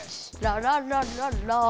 ララララン！